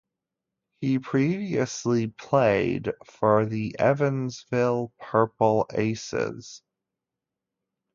He previously played for the Evansville Purple Aces.